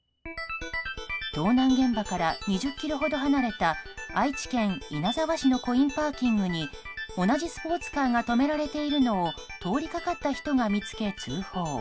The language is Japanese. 盗難現場から２０ｋｍほど離れた愛知県稲沢市のコインパーキングに同じスポーツカーが止められているのを通りかかった人が見つけ、通報。